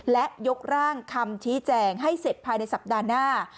และยกร่างคำชี้แจงให้เสร็จภายในสัปดาห์หน้า